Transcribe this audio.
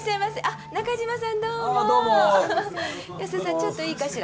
ちょっといいかしら。